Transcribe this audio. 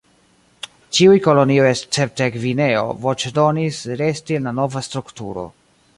Ĉiuj kolonioj escepte Gvineo voĉdonis resti en la nova strukturo.